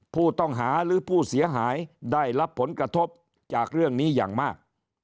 ผู้ต้องหาหรือผู้เสียหายได้รับผลกระทบจากเรื่องนี้อย่างมาก